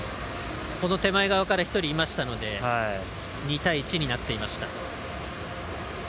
手前側から１人いましたので２対１になっていました。